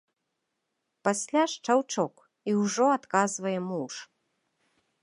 Пасля шчаўчок, і ўжо адказвае муж.